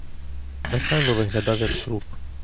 Михайло виглядав як труп.